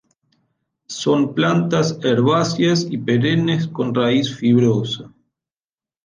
Son plantas herbáceas y perennes con raíz fibrosa.